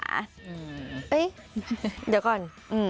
เฮ้ยเดี๋ยวก่อน